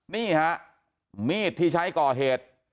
นี่ฮะมีดที่ใช้ก่อเหตุ